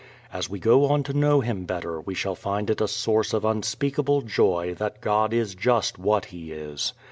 As we go on to know Him better we shall find it a source of unspeakable joy that God is just what He is.